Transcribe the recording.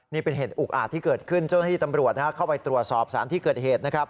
นี่เป็นเหตุอุกอาจที่เกิดขึ้นเจ้าหน้าที่ตำรวจเข้าไปตรวจสอบสารที่เกิดเหตุนะครับ